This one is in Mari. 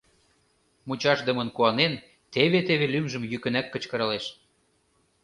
Мучашдымын куанен, теве-теве лӱмжым йӱкынак кычкыралеш.